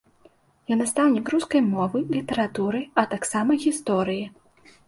Я настаўнік рускай мовы, літаратуры, а таксама гісторыі.